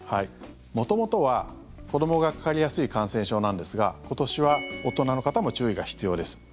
元々は子どもがかかりやすい感染症なんですが今年は大人の方も注意が必要です。